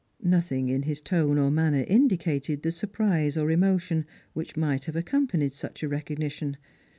Nothing in his tone or manner indicated the surprise or emo tion which might have accompanied such a recognition.